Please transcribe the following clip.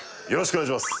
お願いします！